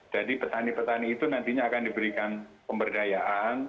jadi petani petani itu nantinya akan diberikan pemberdayaan